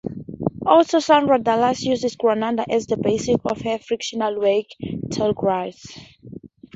Author Sandra Dallas uses Granada as the basis of her fictional work "Tallgrass".